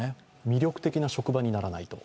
魅力的な職場にならないと。